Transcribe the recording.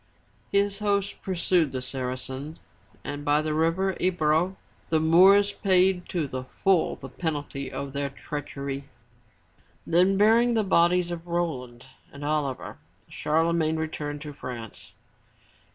His host pursued the Saracens and by the river E'bro, the Moors paid to the full the penalty of their treach ery. Then bearing the bodies of Roland and Oliver, Charlemagne returned to France.